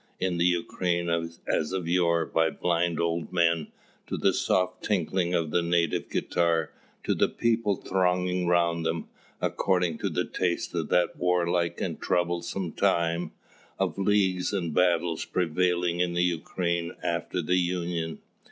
in the Ukraine as of yore by blind old men, to the soft tinkling of the native guitar, to the people thronging round them according to the taste of that warlike and troublous time, of leagues and battles prevailing in the Ukraine after the union.